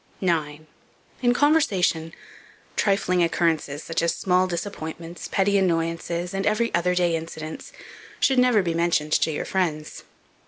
9. IN CONVERSATION, TRIFLING OCCURRENCES, such as small disappointments, petty annoyances, and other every day incidents, should never be mentioned to your friends.